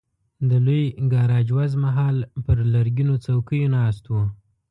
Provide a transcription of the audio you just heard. د لوی ګاراج وزمه هال پر لرګینو څوکیو ناست وو.